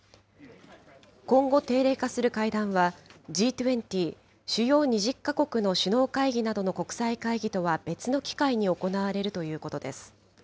今後定例化する会談は、Ｇ２０・主要２０か国の首脳会議などの国際会議とは別の機会に行われるということです。